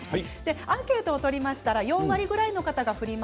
アンケートを取りましたら４割ぐらいの方がフリマ